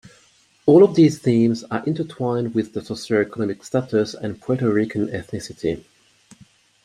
All of these themes are intertwined with his socioeconomic status and Puerto Rican ethnicity.